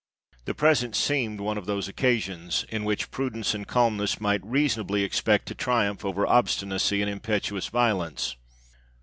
The present seemed one of those oc casions, in which prudence and calmness might reason ably expect to triumph over obstinacy and impetuous violence.